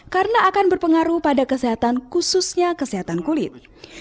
karena akan berpengaruh pada kesehatan khususnya kesehatan kulit